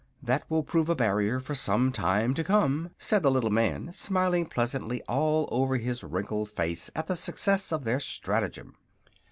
"That will prove a barrier for some time to come," said the little man, smiling pleasantly all over his wrinkled face at the success of their stratagem.